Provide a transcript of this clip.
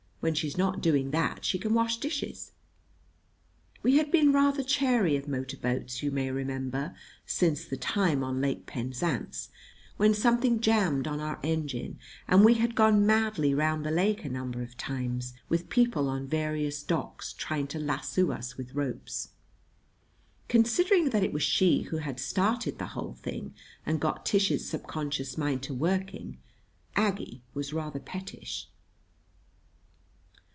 When she's not doing that she can wash dishes." [We had been rather chary of motor boats, you may remember, since the time on Lake Penzance, when something jammed on our engine, and we had gone madly round the lake a number of times, with people on various docks trying to lasso us with ropes.] Considering that it was she who had started the whole thing, and got Tish's subconscious mind to working, Aggie was rather pettish.